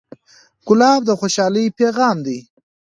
ګلاب د خوشحالۍ پیغام دی.